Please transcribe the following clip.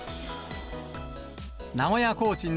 名古屋コーチン